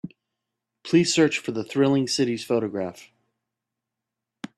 Please search for the Thrilling Cities photograph.